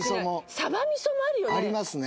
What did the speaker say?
サバ味噌もあるよね？